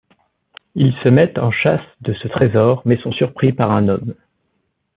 Ils se mettent en chasse de ce trésor, mais sont surpris par un homme.